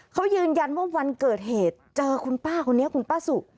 เขายืนยันว่าวันเกิดเหตุเจอคุณป้าคนนี้คุณป้าสุ